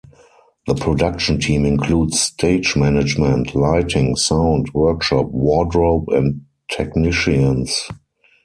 The production team includes stage management, lighting, sound, workshop, wardrobe and technicians.